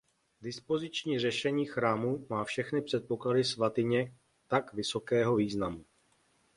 Dispoziční řešení chrámu má všechny předpoklady svatyně tak vysokého významu.